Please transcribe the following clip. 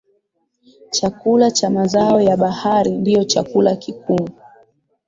Chakula cha mazao ya bahari ndio chakula kikuu